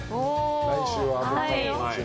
来週は。